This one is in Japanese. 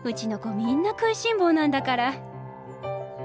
みんな食いしん坊なんだから。